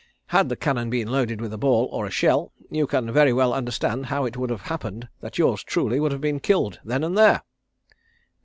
Had the cannon been loaded with a ball or a shell, you can very well understand how it would have happened that yours truly would have been killed then and there."